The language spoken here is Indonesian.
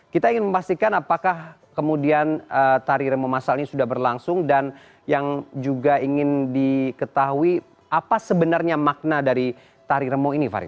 kita ingin memastikan apakah kemudian tari remo masal ini sudah berlangsung dan yang juga ingin diketahui apa sebenarnya makna dari tari remo ini farid